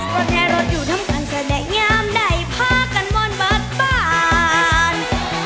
พ่อแม่รถอยู่ทำการแสดงงามใดพากันมอนหมดบ้าน